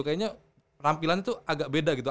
kayaknya penampilan itu agak beda gitu